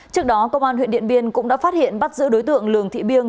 trước đó công an huyện điện biên cũng đã phát hiện bắt giữ đối tượng lường thị biêng